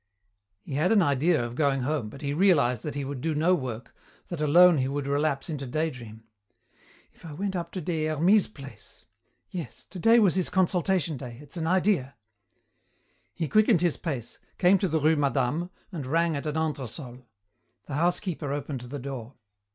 He had an idea of going home, but he realized that he would do no work, that alone he would relapse into daydream. "If I went up to Des Hermies's place. Yes, today was his consultation day, it's an idea." He quickened his pace, came to the rue Madame, and rang at an entresol. The housekeeper opened the door.